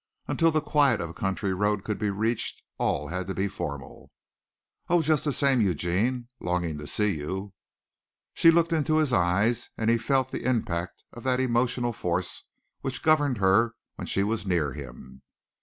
Until the quiet of a country road could be reached all had to be formal. "Oh, just the same, Eugene, longing to see you." She looked into his eyes and he felt the impact of that emotional force which governed her when she was near him.